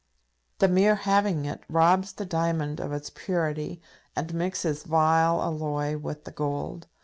The mere having it robs the diamond of its purity, and mixes vile alloy with the gold.